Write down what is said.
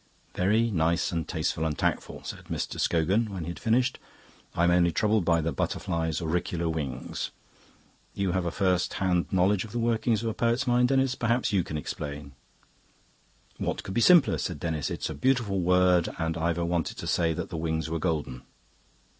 "Very nice and tasteful and tactful," said Mr. Scogan, when he had finished. "I am only troubled by the butterfly's auricular wings. You have a first hand knowledge of the workings of a poet's mind, Denis; perhaps you can explain." "What could be simpler," said Denis. "It's a beautiful word, and Ivor wanted to say that the wings were golden."